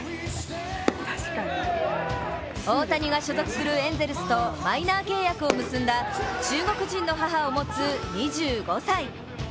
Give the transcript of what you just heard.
大谷が所属するエンゼルスとマイナー契約を結んだ中国人の母を持つ２５歳。